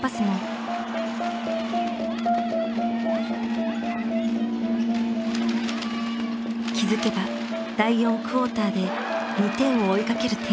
気付けば第４クォーターで２点を追いかける展開に。